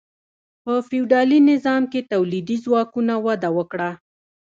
په فیوډالي نظام کې تولیدي ځواکونو وده وکړه.